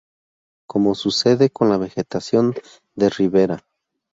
como sucede con la vegetación de ribera